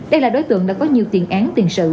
đây là đối tượng đã có nhiều tiền án tiền sự